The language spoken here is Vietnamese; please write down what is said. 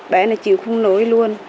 bé này chịu không nối luôn